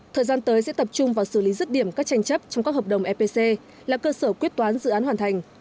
thời gian tới sẽ tập trung vào xử lý rứt điểm các tranh chấp trong các hợp đồng epc là cơ sở quyết toán dự án hoàn thành